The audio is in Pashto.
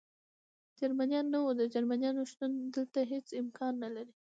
جرمنیان نه و، د جرمنیانو شتون دلته هېڅ امکان نه لري.